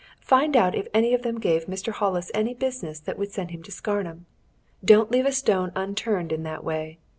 Find out if any of them gave Mr. Hollis any business that would send him to Scarnham. Don't leave a stone unturned in that way!